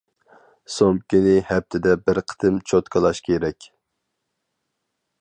سومكىنى ھەپتىدە بىر قېتىم چوتكىلاش كېرەك.